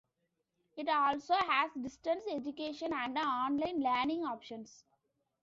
It also has distance education and online learning options.